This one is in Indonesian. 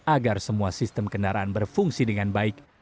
agar semua sistem kendaraan berfungsi dengan baik